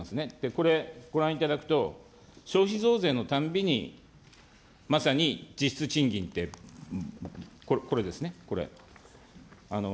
これ、ご覧いただくと、消費増税のたびにまさに実質賃金って、これですね、これ。